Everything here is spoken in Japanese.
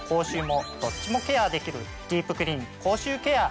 ケアできる「ディープクリーン口臭ケア」。